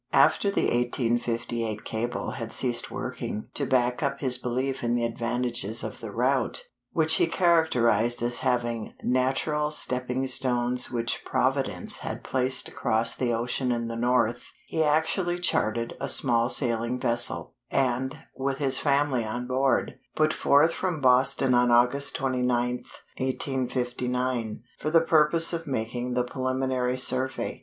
After the 1858 cable had ceased working, to back up his belief in the advantages of the route, which he characterized as having "natural stepping stones which Providence had placed across the ocean in the north," he actually chartered a small sailing vessel, and, with his family on board, put forth from Boston on August 29th, 1859, for the purpose of making the preliminary survey.